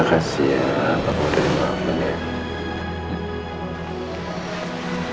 makasih ya pak mau terima kasih pak